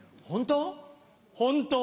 本当？